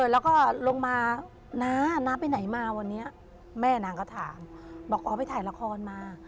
แล้วก็ลงมาน้าน้าไปไหนมาวันนี้แม่นางก็ถามบอกอ๋อไปถ่ายละครมา